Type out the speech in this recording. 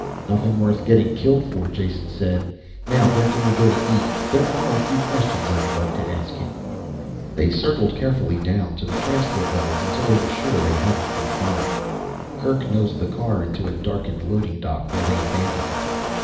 "Nothing worth getting killed for," Jason said. "Now where can we go to eat there are a few questions I would like to ask you." They circled carefully down to the transport levels until they were sure they hadn't been followed. Kerk nosed the car into a darkened loading dock where they abandoned it.